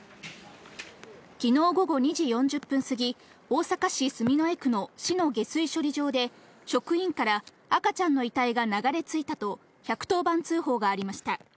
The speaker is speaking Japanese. きのう午後２時４０分過ぎ、大阪市住之江区の市の下水処理場で、職員から、赤ちゃんの遺体が流れ着いたと１１０番通報がありました。